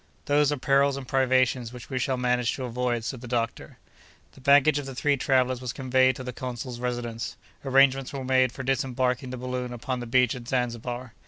"Those are perils and privations which we shall manage to avoid," said the doctor. The baggage of the three travellers was conveyed to the consul's residence. Arrangements were made for disembarking the balloon upon the beach at Zanzibar.